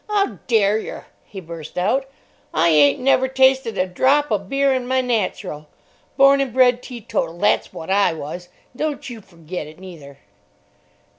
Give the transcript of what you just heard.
"'Ow dare yer!" he burst out. "I ain't never tasted a drop o' beer in my natural. Born an' bred teetotal, that's wot I was, and don't yew forget it, neither."